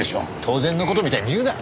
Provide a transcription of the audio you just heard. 当然の事みたいに言うな！